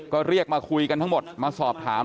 ก็เรียกมาคุยกันทั้งหมดมาสอบถาม